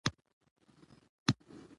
فقره د تشریح وسیله ده.